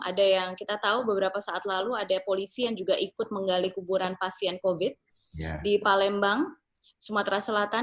ada yang kita tahu beberapa saat lalu ada polisi yang juga ikut menggali kuburan pasien covid di palembang sumatera selatan